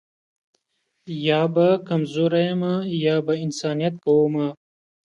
یا به کمزوری یمه یا به انسانیت کومه